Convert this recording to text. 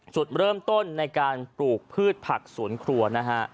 จุดเริ่มต้นในการปลูกพืชผักสวนครัวนะฮะ